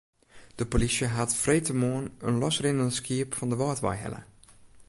De polysje hat freedtemoarn in losrinnend skiep fan de Wâldwei helle.